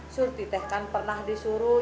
surdi teh kan pernah disuruh